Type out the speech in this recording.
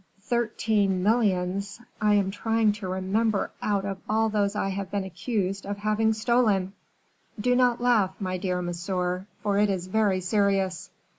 "Thirteen millions I am trying to remember out of all those I have been accused of having stolen." "Do not laugh, my dear monsieur, for it is very serious.